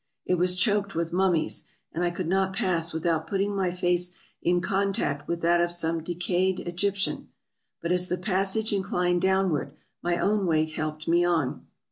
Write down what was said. It was choked with mummies, and I could not pass without putting my face in contact with that of some decayed Egyp tian; but as the passage inclined downward, my own weight helped me on.